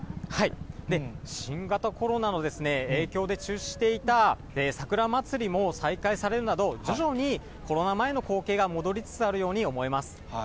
新型コロナの影響で中止していたさくら祭りも再開されるなど、徐々にコロナ前の光景が戻りつつあるように思えます。